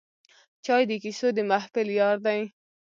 چای د کیسو د محفل یار دی